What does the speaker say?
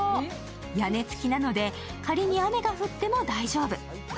屋根付きなので仮に雨が降っても大丈夫。